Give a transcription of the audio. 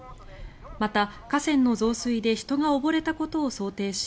また、河川の増水で人が溺れたことを想定し